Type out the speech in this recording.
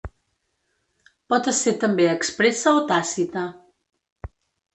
Pot esser també expressa o tàcita.